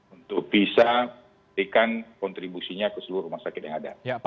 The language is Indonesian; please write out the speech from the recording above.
untuk bisa memberikan kontribusinya ke seluruh rumah sakit yang ada